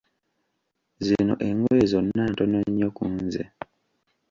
Zino engoye zonna ntono nnyo kunze!